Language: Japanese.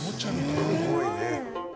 すごいね。